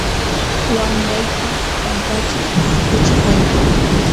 wamrayki pampachaw quchpaykan.